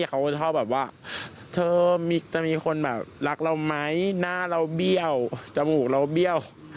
เขาก็จะชอบแบบว่าเธอจะมีคนแบบรักเราไหมหน้าเราเบี้ยวจมูกเราเบี้ยว